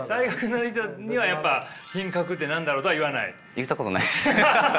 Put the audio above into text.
言ったことないです。